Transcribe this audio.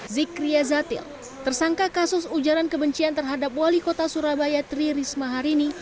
zikria zatil tersangka kasus ujaran kebencian terhadap wali kota surabaya tri risma hari ini